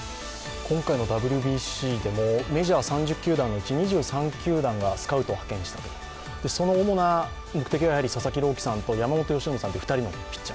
今回のＷＢＣでもメジャー３０球団のうち２８球団がスカウトを派遣したとその主な目的はやはりやはり佐々木朗希さんと山本由伸さんという２人の投手。